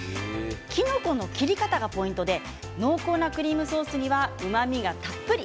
きのこは切り方がポイントで濃厚なクリームソースにはうまみがたっぷり。